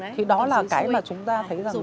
thì đó là cái mà chúng ta thấy rằng là nó